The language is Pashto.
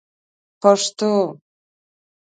پښتو